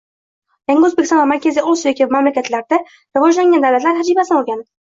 Yaʼni Oʻzbekiston va Markaziy Osiyo kabi davlatlarda rivojlangan davlatlar tajribasini oʻrganib